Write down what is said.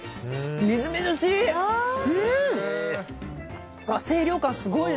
みずみずしい！